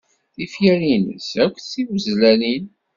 Tifyar-nnes akk d tiwezlanen.